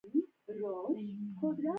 د روح لپاره پاکوالی اړین دی